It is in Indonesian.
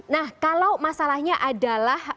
nah kalau masalahnya adalah